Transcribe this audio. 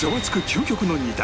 究極の２択